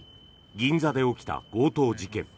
銀座で起きた強盗事件。